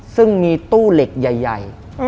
ซึ่งมีตู้เหล็กใหญ่